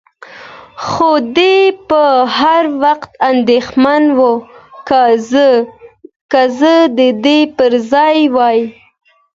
خو دی به هر وخت اندېښمن و، که زه د ده پر ځای وای.